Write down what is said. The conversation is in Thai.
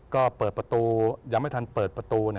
ก็เปิดประตูยังไม่ทันเปิดประตู